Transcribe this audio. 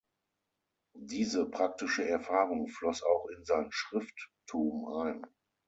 Diese praktische Erfahrung floss auch in sein Schrifttum ein.